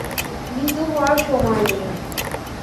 ভীতু হওয়ার সময় নেই।